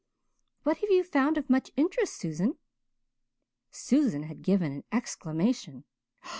What have you found of much interest, Susan?" Susan had given an exclamation.